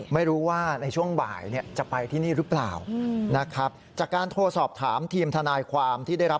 ไม่รู้ว่าในช่วงบ่ายจะไปที่นี่หรือเปล่า